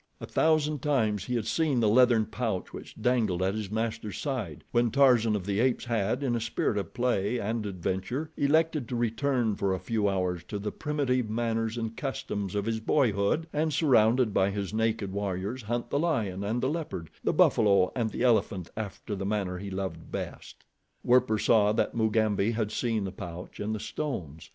A thousand times he had seen the leathern pouch which dangled at his master's side, when Tarzan of the Apes had, in a spirit of play and adventure, elected to return for a few hours to the primitive manners and customs of his boyhood, and surrounded by his naked warriors hunt the lion and the leopard, the buffalo and the elephant after the manner he loved best. Werper saw that Mugambi had seen the pouch and the stones.